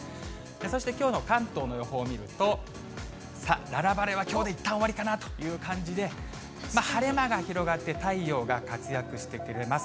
そしてきょうの関東の予報見ると、さあ、楽々晴れはきょうでいったん終わりかなという感じで、晴れ間が広がって、太陽が活躍してくれます。